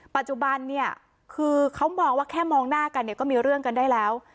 ปัจจุบันเนี่ยคือเขามองว่าแค่มองหน้ากันเนี่ยก็มีเรื่องกันได้แล้ว